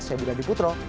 saya budi dhani putro